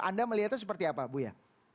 anda melihatnya seperti apa buya